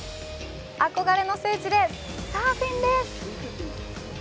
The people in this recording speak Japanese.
憧れの聖地でサーフィンです